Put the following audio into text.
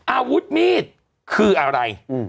อาวุธมีดคืออะไร